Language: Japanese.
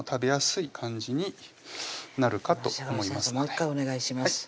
もう１回お願いします